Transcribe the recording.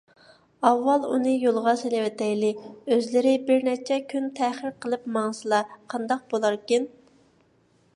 ئاۋۋال ئۇنى يولغا سېلىۋېتەيلى، ئۆزلىرى بىرنەچچە كۈن تەخىر قىلىپ ماڭسىلا قانداق بولاركىن؟